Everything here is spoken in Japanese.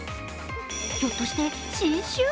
ひょっとして新種？